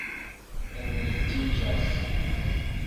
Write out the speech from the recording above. enlitiĝas